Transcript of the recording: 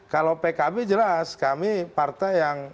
kalau pkb jelas kami partai yang